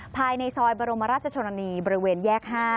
ภายในซอยบรมราชชนนีบริเวณแยก๕